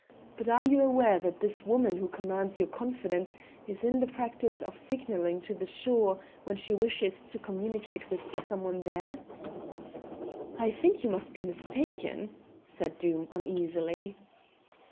But are you aware that this woman who commands your confidence is in the practice of signalling to the shore when she wishes to communicate with some one there?" "I think you must be mistaken," said Doom, uneasily.